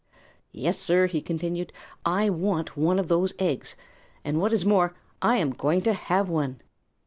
"Yes, sir," he continued, "I want one of those eggs, and what is more, I am going to have one."